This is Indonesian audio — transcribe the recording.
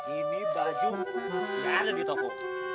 ini baju yang ada di toko